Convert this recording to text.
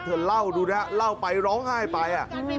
เธอเล่าดูนะเล่าไปร้องไห้ไป